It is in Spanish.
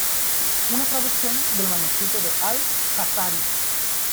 Una traducción del manuscrito de Al-Jazari.